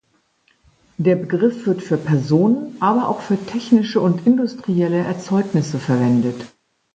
Der Begriff wird für Personen aber auch für technische und industrielle Erzeugnisse verwendet.